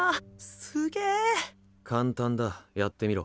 すげ簡単だやってみろ。